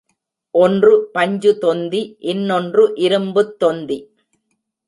ஒன்று பஞ்சுதொந்தி, இன்னொன்று இரும்புத்தொந்தி.